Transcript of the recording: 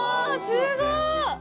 すごーい！